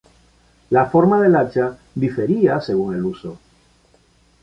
La forma del hacha difería según el uso.